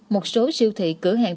một số siêu thị cửa hàng